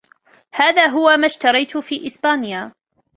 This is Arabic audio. هذا هو ما اشتريت في إسبانيا.